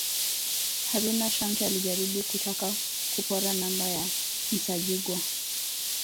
Haruna Shamte alijaribu kutaka kupora namba ya Nsajigwa